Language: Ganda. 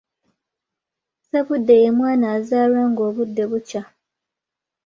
Ssebudde ye mwana azaalwa ng’obudde bukya.